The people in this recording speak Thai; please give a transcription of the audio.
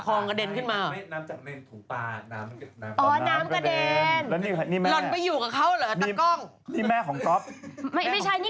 ทำไม